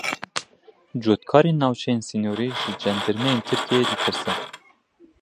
Cotkarên navçeyên sînorî ji cendirmeyên Tirkiyeyê ditirsin.